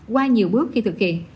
qua nhiều bước khi thực hiện